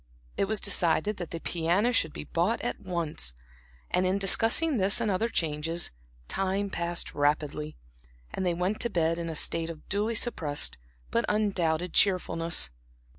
It was decided that the piano should be bought at once, and in discussing this and other changes, time passed rapidly, and they went to bed in a state of duly suppressed, but undoubted cheerfulness.